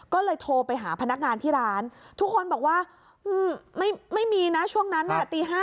ก็เลยโทรไปหาพนักงานที่ร้านทุกคนบอกว่าไม่มีนะช่วงนั้นตี๕